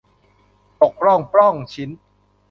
ตกล่องปล้องชิ้น